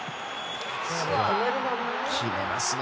決めますね！